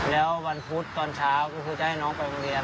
แล้ววันพุธตอนเช้าก็คือจะให้น้องไปโรงเรียน